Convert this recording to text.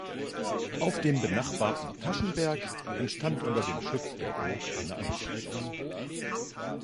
Auf dem benachbarten Taschenberg entstand unter dem Schutz der Burg eine Ansiedlung.